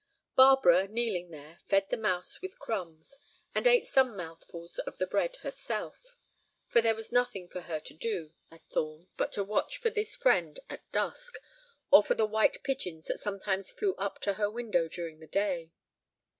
Barbara, kneeling there, fed the mouse with crumbs, and ate some mouthfuls of the bread herself. For there was nothing for her to do at Thorn but to watch for this friend at dusk, or for the white pigeons that sometimes flew up to her window during the day.